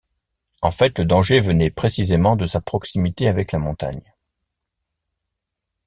En fait, le danger venait précisément de sa proximité avec la montagne.